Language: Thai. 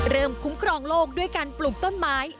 เริ่มคุ้มครองโลกด้วยการปลุ่มต้นไม้